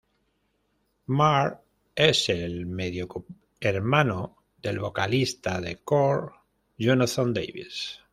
Mark es el medio hermano del vocalista de Korn, Jonathan Davis.